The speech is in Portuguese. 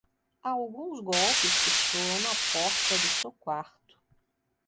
Há alguns golpes que soam na porta do seu quarto.